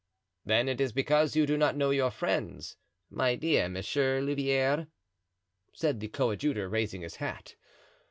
"Then it is because you do not know your friends, my dear Monsieur Louvieres," said the coadjutor, raising his hat.